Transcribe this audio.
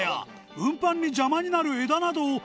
運搬に邪魔になる枝などを擇衢遒箸